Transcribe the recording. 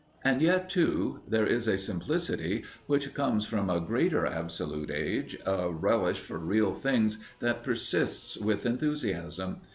And yet, too, there is a simplicity which comes from a greater Absolute Age, a relish for real things that persists with enthusiasm.